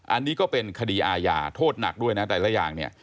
อันนี้ก็เป็นคดีอาญาโทษหนักด้วยนะแต่ละอย่างเนี่ย